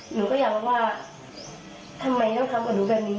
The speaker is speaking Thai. หนูก็อยากรู้ว่าทำไมต้องทำกับหนูแบบนี้